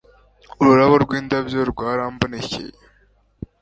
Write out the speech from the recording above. Urubuto rwindabyo rwarambonekeye